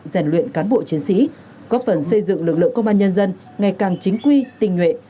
rèn luyện cán bộ chiến sĩ góp phần xây dựng lực lượng công an nhân dân ngày càng chính quy tình nguyện